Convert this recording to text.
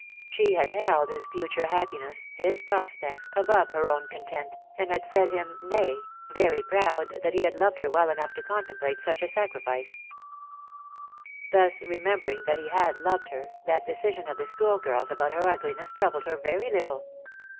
She had held his future happiness, his prospects, above her own content, and had said him nay, very proud that he had loved her well enough to contemplate such a sacrifice. Thus, remembering that he had loved her, that decision of the schoolgirls about her ugliness troubled her very little.